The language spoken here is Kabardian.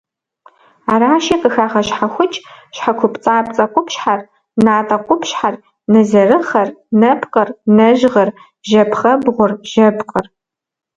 Аращи, къыхагъэщхьэхукӏ щхьэкупцӏапцӏэ къупщхьэр, натӏэ къупщхьэр, нэзэрыхъэр, нэпкъыр, нэжьгъыр, жьэ пхъэбгъур, жьэпкъыр.